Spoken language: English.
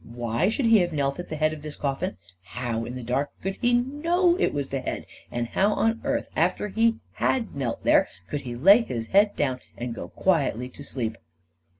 Why should he have knelt at the head of this coffin? How, in the dark, could he know that it was the head? And how on earth, after he had knelt there, could he lay his head down i A KING IN BABYLON 217 and go quietly to sleep